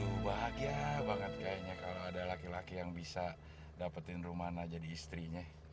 waduh bahagia banget kayaknya kalau ada laki laki yang bisa dapetin romana jadi istrinya